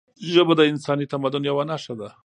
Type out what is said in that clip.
ژبه د انساني تمدن یوه نښه ده